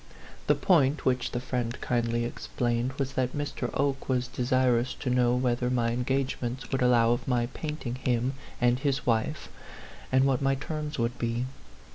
The point, which the friend kindly explained, was that Mr. Oke was de sirous to know whether my engagements would allow of my painting him and his wife, and what my terms would be.